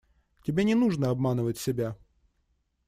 Тебе не нужно обманывать себя.